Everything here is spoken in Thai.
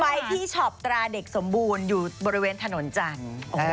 ไปที่ช็อปตราเด็กสมบูรณ์อยู่บริเวณถนนจันทร์